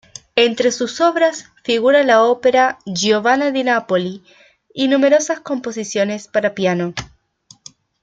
Entre sus obras figura la ópera "Giovanna di Napoli" y numerosas composiciones para piano.